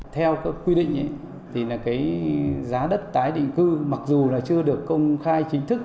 theo quy định giá đất tái định cư mặc dù chưa được công khai chính thức